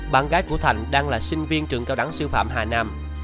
bạn gái của thành đang là sinh viên trường cao đẳng sư phạm hà nam